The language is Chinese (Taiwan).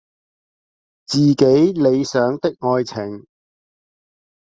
自己理想的愛情